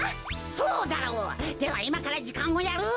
そうだろう！ではいまからじかんをやる。